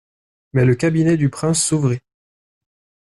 Mais le cabinet du prince s'ouvrit.